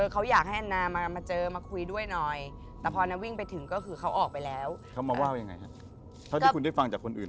เขาอยากให้แอนนามาเจอมาคุยด้วยหน่อยแต่พอน้าวิ่งไปถึงก็คือเขาออกไปแล้วเขามาว่ายังไงฮะเท่าที่คุณได้ฟังจากคนอื่น